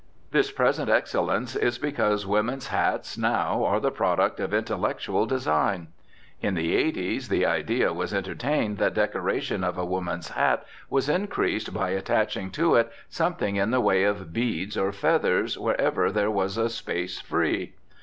This present excellence is because women's hats now are the product of intellectual design. In the '80's the idea was entertained that decoration of a woman's hat was increased by attaching to it something in the way of beads or feathers wherever there was a space free.